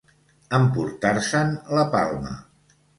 Emportar-se'n la palma.